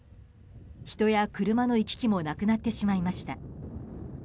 人や車の行き来もなくなってしまいました。